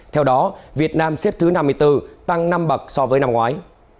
theo đó việt nam xếp thứ năm mươi bốn tăng năm bậc so với năm ngoái